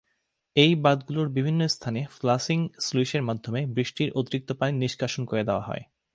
এই বাঁধগুলির বিভিন্ন স্থানে ফ্লাসিং স্লুইসের মাধ্যমে বৃষ্টির অতিরিক্ত পানি নিষ্কাশন করে দেয়া হয়।